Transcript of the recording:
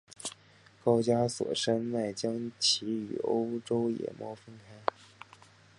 高加索山脉将其与欧洲野猫分开。